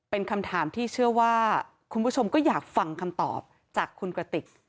เป็นคำถามที่เชื่อว่าคุณผู้ชมก็อยากฟังคำตอบจากคุณกระติก